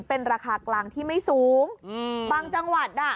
เป็นราคากลางที่ไม่สูงอืมบางจังหวัดอ่ะ